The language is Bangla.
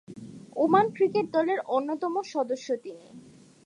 ওমান ক্রিকেট দলের অন্যতম সদস্য তিনি।